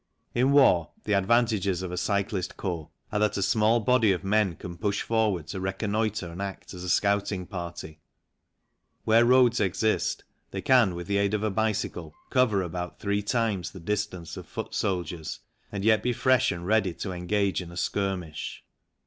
In war the advantages of a cyclist corps are that a small body of men can push forward to reconnoitre and act as a scouting party; where roads exist, they can, with the aid of a bicycle, cover about three times the distance of foot soldiers and yet be fresh and ready to engage in a skirmish.